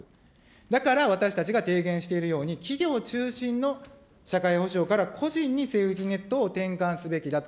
だから私たちが提言しているように、企業中心の社会保障から個人にセーフティネットを転換すべきだと。